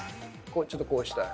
ちょっとこうしたい？